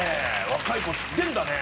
若い子知ってるんだね。